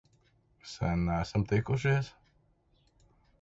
Sen neesam tikušies!